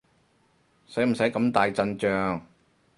使唔使咁大陣仗？